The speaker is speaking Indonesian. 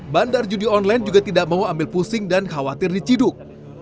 bandar judi online juga tidak mau ambil pusing dan khawatir diciduk